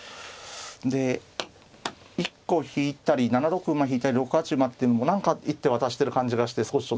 で一個引いたり７六馬引いて６八馬っていうのも何か一手渡してる感じがして少しちょっとつらい。